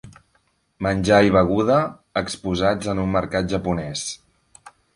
Menjar i beguda exposats en un mercat japonès.